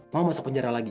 mau masuk penjara lagi